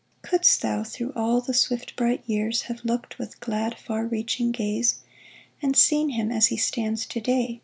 Couldst thou, through all the swift, bright years, Have looked, with glad, far reaching gaze, And seen him as he stands to day.